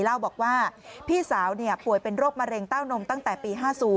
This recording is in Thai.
เล่าบอกว่าพี่สาวป่วยเป็นโรคมะเร็งเต้านมตั้งแต่ปี๕๐